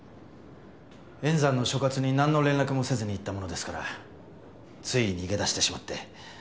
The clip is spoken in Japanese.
塩山の所轄になんの連絡もせずに行ったものですからつい逃げ出してしまって。